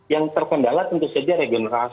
yang terkendala tentu saja regenerasi